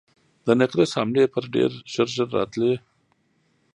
د نقرس حملې پرې ډېر ژر ژر راتلې.